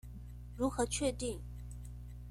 如何確定？